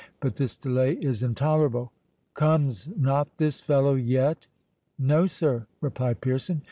—But this delay is intolerable—Comes not this fellow yet?" "No, sir," replied Pearson.